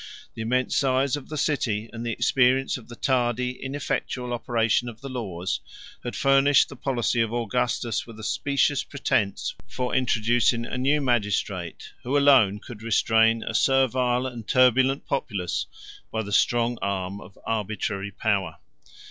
The immense size of the city, and the experience of the tardy, ineffectual operation of the laws, had furnished the policy of Augustus with a specious pretence for introducing a new magistrate, who alone could restrain a servile and turbulent populace by the strong arm of arbitrary power.